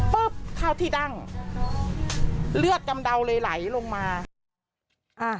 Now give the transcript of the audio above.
ปุ๊บทาวที่ดั่งเลือดกำเดาเลยไหลลงมา